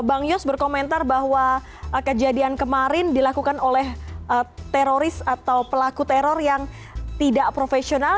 bang yos berkomentar bahwa kejadian kemarin dilakukan oleh teroris atau pelaku teror yang tidak profesional